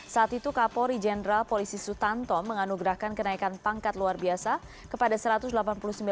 saat itu kapolri jenderal polisi sutanto menganugerahkan kenaikan pangkat luar biasa dari akbp menjadi komisaris besar polisi pada tujuh desember dua ribu lima